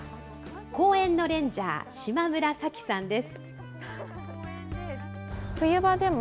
公園のレンジャー、嶋村早樹さんです。